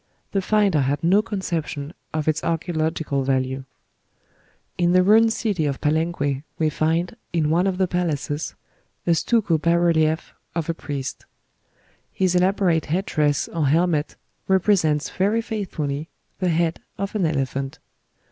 The finder had no conception of its archæological value. In the ruined city of Palenque we find, in one of the palaces, a stucco bass relief of a priest. His elaborate head dress or helmet represents very faithfully the head of an elephant.